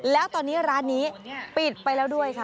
แล้วตอนนี้ร้านนี้ปิดไปแล้วด้วยค่ะ